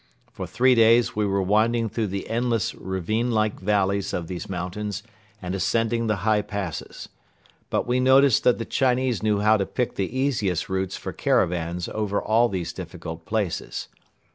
For three days we were winding through the endless ravine like valleys of these mountains and ascending the high passes. But we noticed that the Chinese knew how to pick the easiest routes for caravans over all these difficult places.